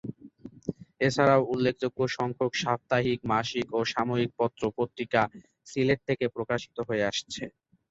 এছাড়াও উল্লেখযোগ্য সংখ্যক সাপ্তাহিক, মাসিক ও সাময়িক পত্র পত্রিকা সিলেট থেকে প্রকাশিত হয়ে আসছে।